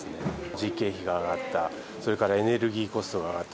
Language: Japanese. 人件費が上がった、それからエネルギーコストが上がった。